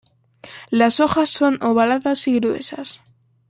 Las hojas son ovaladas y gruesas.